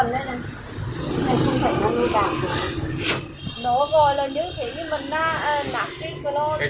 nó gọi là như thế nhưng mà nạp cái cơ lô